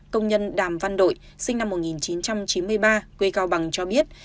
công nhân đàm văn đội sinh năm một nghìn chín trăm chín mươi ba quê cao bằng cho biết